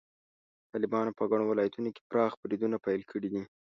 طالبانو په ګڼو ولایتونو کې پراخ بریدونه پیل کړي دي.